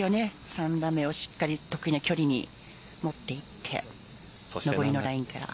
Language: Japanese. ３打目を、しっかり得意な距離に持っていって上りのラインから。